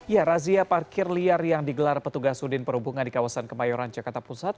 ya razia parkir liar yang digelar petugas udin perhubungan di kawasan kemayoran jakarta pusat